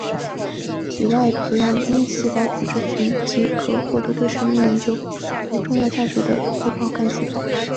体外培养内细胞群细胞即可取得对生命科学研究有重要价值的胚胎干细胞